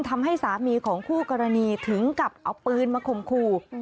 ทำให้สามีของคู่กรณีถึงกับเอาปืนมาข่มขู่